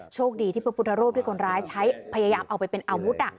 โชคดีที่พระพุทธรูปที่คนร้ายใช้พยายามเอาไปเป็นอาวุธ